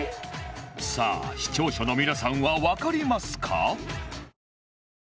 さあ視聴者の皆さんはわかりますか？